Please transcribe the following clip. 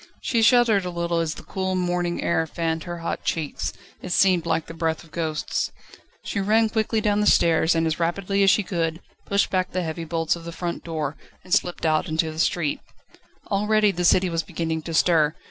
She shuddered a little as the cool morning air fanned her hot cheeks: it seemed like the breath of ghosts. She ran quickly down the stairs, and as rapidly as she could, pushed back the heavy bolts of the front door, and slipped out into the street. Already the city was beginning to stir.